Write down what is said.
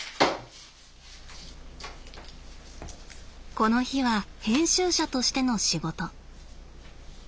この日は編集者としての仕事。